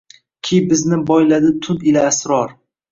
Ki bizni boyladi tun ila asror